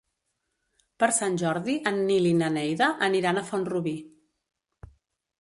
Per Sant Jordi en Nil i na Neida aniran a Font-rubí.